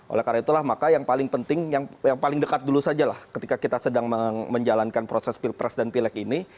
oleh karena itulah maka yang paling penting yang paling dekat dulu saja lah ketika kita sedang menjalankan proses pilpres dan pileg ini